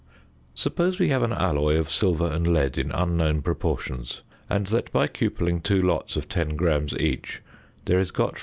Suppose we have an alloy of silver and lead in unknown proportions and that by cupelling two lots of 10 grams each there is got from I.